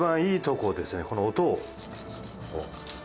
この音を。